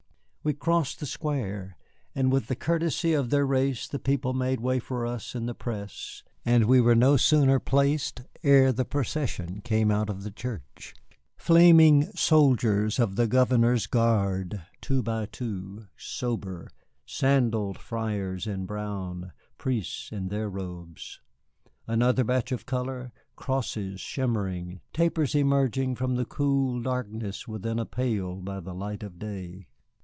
We crossed the square, and with the courtesy of their race the people made way for us in the press; and we were no sooner placed ere the procession came out of the church. Flaming soldiers of the Governor's guard, two by two; sober, sandalled friars in brown, priests in their robes, another batch of color; crosses shimmering, tapers emerging from the cool darkness within to pale by the light of day.